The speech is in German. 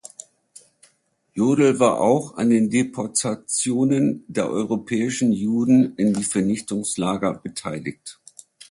Jodl war auch an den Deportationen der europäischen Juden in die Vernichtungslager beteiligt.